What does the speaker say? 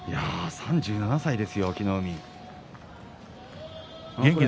３７歳です、隠岐の海。